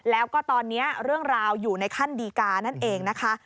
แล้วก็ตอนนี้เรื่องราวอยู่ในขั้นดีการนั่นเองนะคะ